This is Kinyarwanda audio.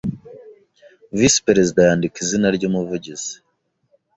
Visi Perezida yandika izina ry Umuvugizi